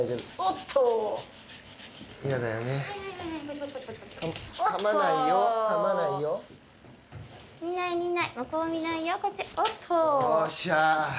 よっしゃ。